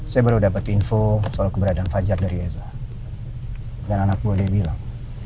saya baru dapet info soal keberadaan fajar dari eza dan anak boleh bilang